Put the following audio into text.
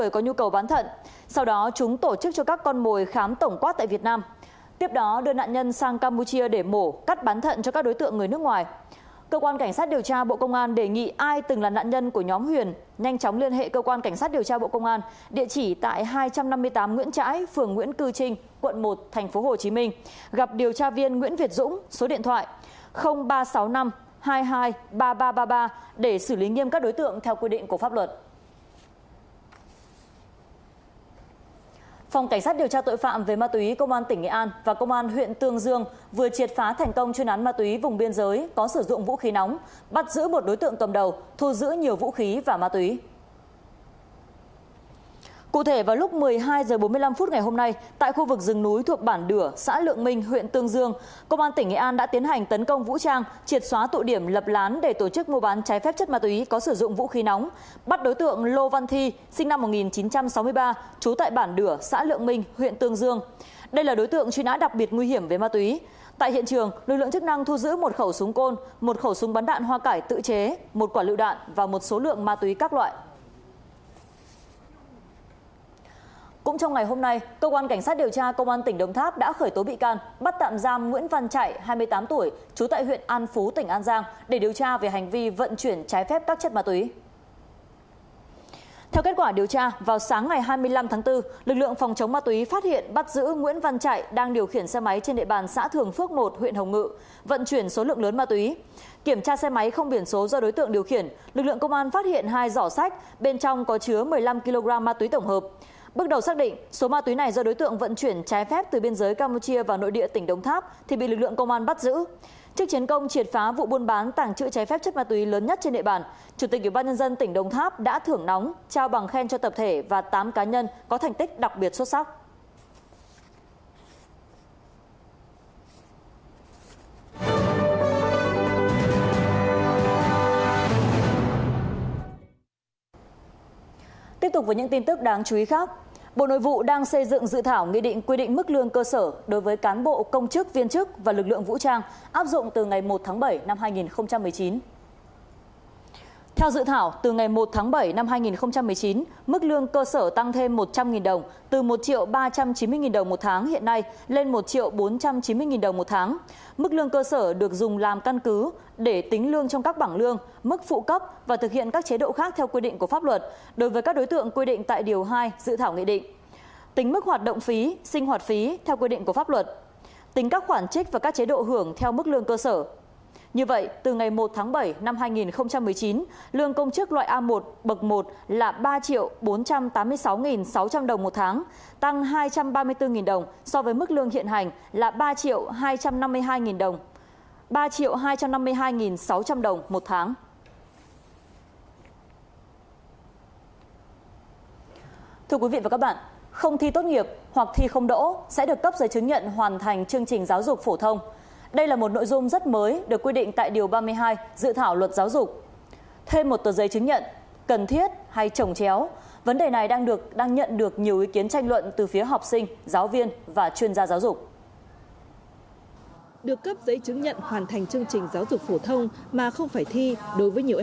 cảnh sát điều tra tội phạm về ma túy công an tỉnh nghệ an và công an huyện tương dương vừa triệt phá thành công chuyên án ma túy vùng biên giới có sử dụng vũ khí nóng bắt giữ một đối tượng tầm đầu thu giữ nhiều vũ khí và ma túy